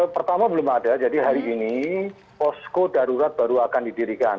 pertama belum ada jadi hari ini posko darurat baru akan didirikan